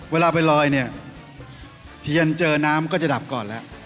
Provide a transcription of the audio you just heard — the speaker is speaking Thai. เวลาไปลอยเนี่ยเทียนเจอน้ำก็จะดับก่อนแล้ว